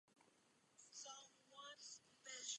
Předchozí album "Dance The Devil" bylo vydáno o dva roky dříve.